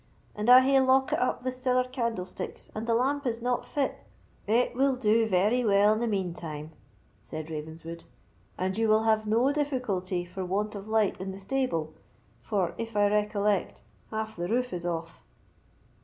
And I hae lockit up the siller candlesticks, and the lamp is not fit——" "It will do very well in the mean time," said Ravenswood, "and you will have no difficulty for want of light in the stable, for, if I recollect, half the roof is off."